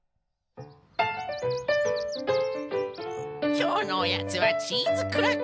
きょうのおやつはチーズクラッカー！